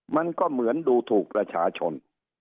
มันก็เหมือนดูถูกประชาชน